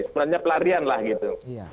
sebenarnya pelarian lah gitu